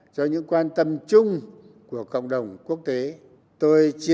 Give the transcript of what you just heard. thưa ngài chủ tịch